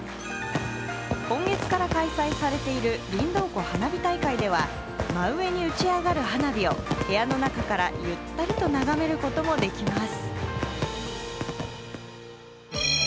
今月から開催されているりんどう湖花火大会では真上に打ち上がる花火を部屋の中からゆったりとながめることもできます。